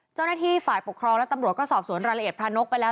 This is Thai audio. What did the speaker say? เจ้าหน้าที่ฝ่ายปกครองและตำรวจก็สอบสวนรายละเอียดพระนกไปแล้ว